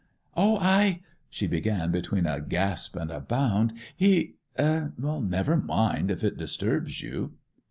'O, I—' she began between a gasp and a bound. 'He—' 'Never mind—if it disturbs you.